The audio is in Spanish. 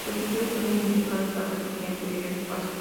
Los títulos suelen indicar el paso del tiempo y el espacio.